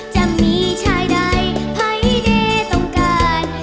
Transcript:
จะมีชายใดภัยเด้ต้องการ